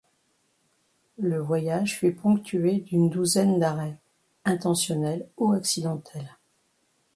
Le voyage fut ponctué d'une douzaine d'arrêts, intentionnels ou accidentels.